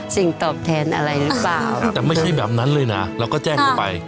ตอบแทนอะไรหรือเปล่าแต่ไม่ใช่แบบนั้นเลยนะเราก็แจ้งเข้าไป